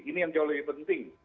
ini yang jauh lebih penting